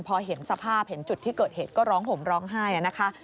พอเห็นสภาพเห็นจุดที่เกิดเหตุก็ร้องห่มร้องไห้นะคะ